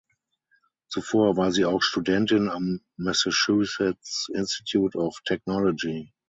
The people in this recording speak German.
Zuvor war sie auch Studentin am Massachusetts Institute of Technology.